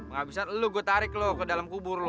nggak bisa lo gue tarik lo ke dalam kubur lo